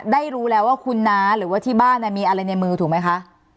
ได้รู้แล้วว่าคุณน้าหรือว่าที่บ้านมีอะไรในมือถูกไหมคะ